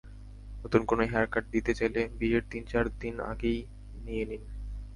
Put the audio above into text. নতুন কোনো hair cut নিতে চাইলে বিয়ের তিন-চার দিন আগেই নিয়ে নিন।